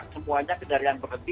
semuanya kendaraan berhenti